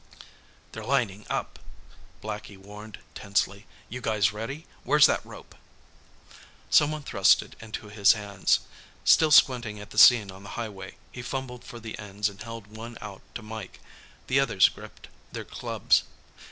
"They're linin' up," Blackie warned tensely. "You guys ready? Where's that rope?" Someone thrust it into his hands. Still squinting at the scene on the highway, he fumbled for the ends and held one out to Mike. The others gripped their clubs.